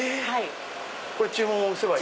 「注文」押せばいい？